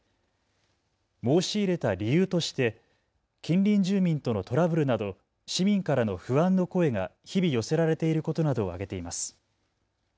申し入れた理由として近隣住民とのトラブルなど市民からの不安の声が日々寄せられていることなどを挙げています。